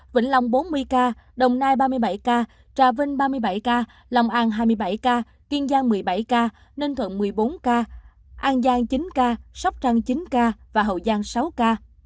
vĩnh long bốn mươi ca đồng nai ba mươi bảy ca trà vinh ba mươi bảy ca long an hai mươi bảy ca kiên giang một mươi bảy ca ninh thuận một mươi bốn ca an giang chín ca sóc trăng chín ca và hậu giang sáu ca